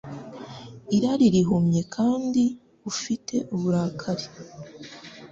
Irari rihumye kandi ufite uburakari